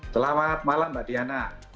selamat malam mbak diana